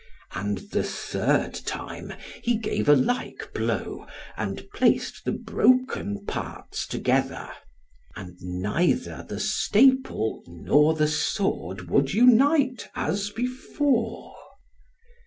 And the third time he gave a like blow, and placed the broken parts together, and neither the staple nor the sword would unite, as before.